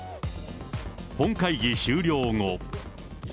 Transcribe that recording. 本会議終了後。